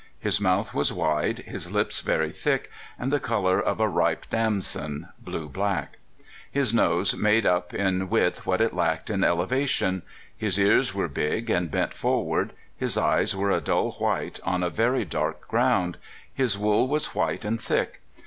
His mouth was wide, his lips very thick and the color of a ripe damson, blue black; his nose made up in width what it lacked in elevation; his ears were bier, and bent forward ; his eyes were a dull white, on a very dark ground; his wool was white and thick.